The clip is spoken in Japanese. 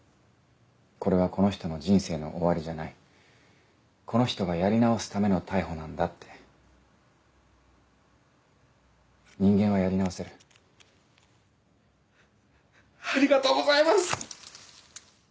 これはこの人の人生の終わりじゃこの人がやり直すための逮捕なんだって人間はやり直せるありがとうございます！